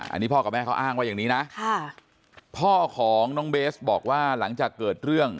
อันนี้พ่อกับแม่เขาอ้างว่าอย่างนี้นะค่ะพ่อของน้องเบสบอกว่าหลังจากเกิดเรื่อง